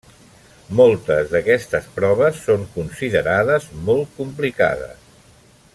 Moltes d'aquestes proves són considerades molt complicades.